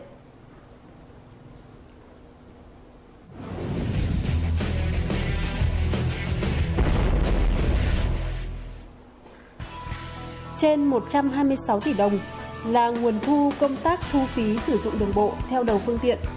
trên một trăm hai mươi sáu tỷ đồng là nguồn thu công tác thu phí sử dụng đường bộ theo đầu phương tiện